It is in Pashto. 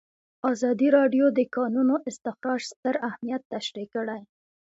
ازادي راډیو د د کانونو استخراج ستر اهميت تشریح کړی.